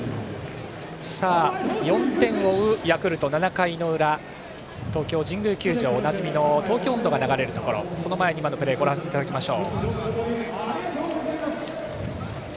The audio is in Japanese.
４点を追うヤクルト、７回の裏東京・神宮球場おなじみの「東京音頭」が流れるところその前に今のプレーをご覧いただきます。